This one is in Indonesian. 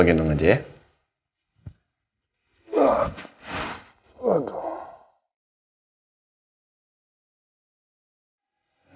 tidak ada yang bisa diharapkan